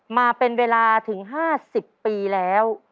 มาเป็นเวลาถึง๕๐ปีแล้ว